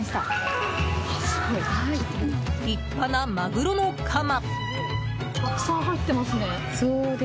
立派なマグロのカマ。